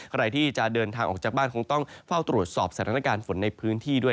ใครที่จะเดินทางออกจากบ้านคงต้องเฝ้าตรวจสอบสถานการณ์ฝนในพื้นที่ด้วย